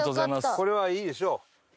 これはいいでしょう。